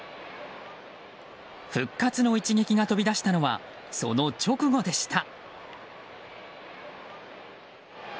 復活の一撃が飛び出したのはその直後でした。